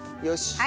よし。